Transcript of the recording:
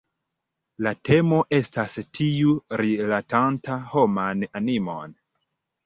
La temo estas tiu rilatanta homan animon.